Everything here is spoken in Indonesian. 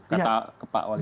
kata kepak wadid